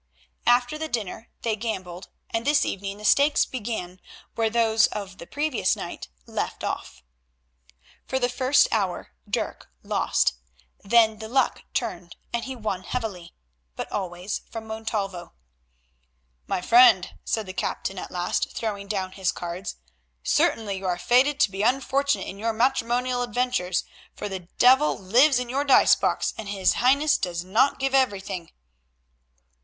After the dinner they gambled, and this evening the stakes began where those of the previous night left off. For the first hour Dirk lost, then the luck turned and he won heavily, but always from Montalvo. "My friend," said the captain at last, throwing down his cards, "certainly you are fated to be unfortunate in your matrimonial adventures, for the devil lives in your dice box, and his highness does not give everything.